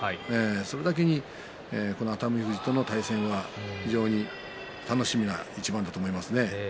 それだけに熱海富士との対戦は非常に楽しみな一番だと思いますね。